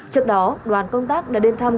trước đó đoàn công tác đã đến thăm